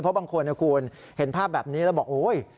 เพราะบางคนนะคุณเห็นภาพแบบนี้แล้วบอกโอ๊ย